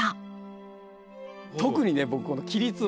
特にね僕この桐壺。